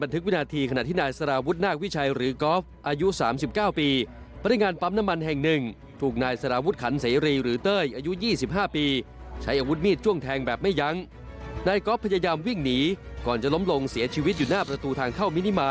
ติดตามเรื่องนี้จากรายงานเลยค่ะ